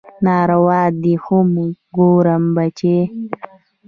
ناروا دي خو ګوره بچى.